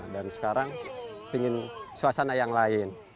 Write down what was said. dan sekarang ingin suasana yang lain